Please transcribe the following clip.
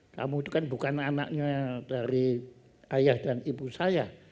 kamu itu kan bukan anaknya dari ayah dan ibu saya